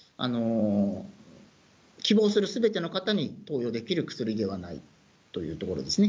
希望するすべての方に投与できる薬ではないというところですね。